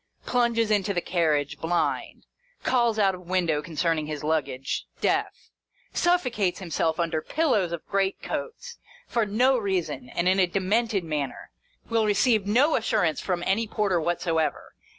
Plunges into the carriage, blind. Calls out of window concerning his luggage, deaf. Suffocates himself under pillows of great coats, for no reason, and in a demented manner. Will receive no assurance from any porter whatsoever.